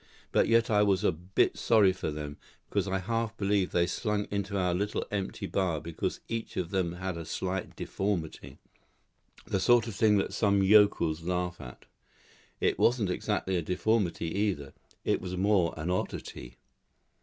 But yet I was a bit sorry for them, because I half believe they slunk into our little empty bar because each of them had a slight deformity; the sort of thing that some yokels laugh at. It wasn't exactly a deformity either; it was more an oddity.